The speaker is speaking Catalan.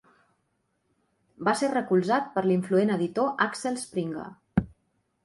Va ser recolzat per l'influent editor Axel Springer.